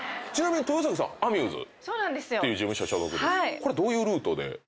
これどういうルートで？